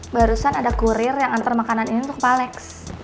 barusan ada kurir yang nganter makanan ini ke pallex